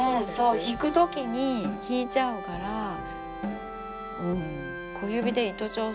引くときに引いちゃうから小指で糸調節。